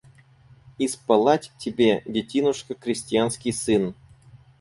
Исполать тебе, детинушка крестьянский сын